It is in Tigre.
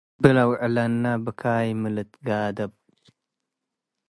ረቢ ለውዕለነ ብካይ ሚ ልትገ’ደብ፣